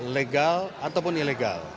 legal ataupun ilegal